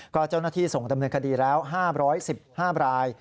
ก็เจ้าหน้าที่ส่งดำเนินคดีแล้ว๕๑๕ราย